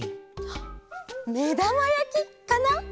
はっ「めだまやき」かな！